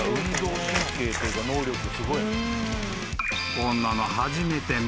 ［こんなの］